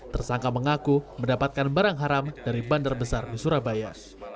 tersangka mengaku mendapatkan barang haram dari bandar besar di surabaya